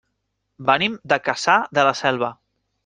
Venim de Cassà de la Selva.